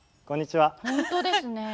本当ですね。